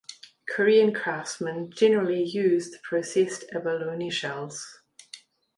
Korean craftsmen generally use the processed abalone shells.